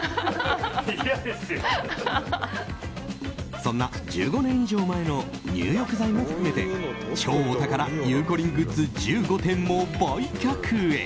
そんな１５年以上前の入浴剤も含めて超お宝ゆうこりんグッズ１５点も売却へ。